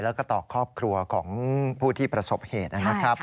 แล้วก็ต่อครอบครัวของผู้ที่ประสบเหตุนะครับ